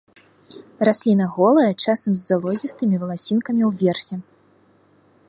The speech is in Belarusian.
Расліна голая, часам з залозістымі валасінкамі ўверсе.